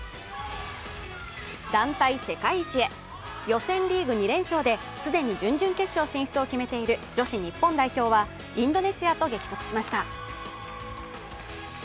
団体世界一へ予選リーグ２連勝で既に準々決勝進出を決めている女子日本代表はインドネシアと激突しました。